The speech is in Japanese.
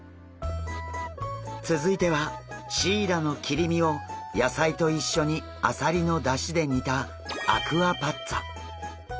続いてはシイラの切り身を野菜と一緒にアサリのだしで煮たアクアパッツァ。